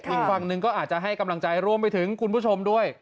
อีกฝั่งหนึ่งก็อาจจะให้กำลังใจรวมไปถึงคุณผู้ชมด้วย